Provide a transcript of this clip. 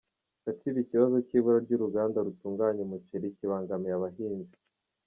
Gatsibo Ikibazo cy’ibura ry’uruganda rutunganya umuceri kibangamiye abahinzi